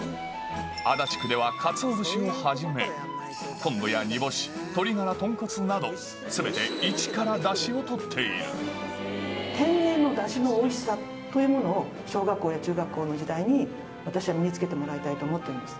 足立区では、カツオ節をはじめ、昆布や煮干し、鶏ガラ、豚骨など、すべて、天然のだしのおいしさというものを小学校や中学校の時代に、私は身につけてもらいたいと思ってるんです。